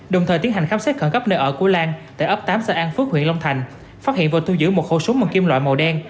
đồng thời tiến hành khám xét khẩn cấp nơi ở của lan tại ấp tám xã an phước huyện long thành phát hiện và thu giữ một khẩu súng bằng kim loại màu đen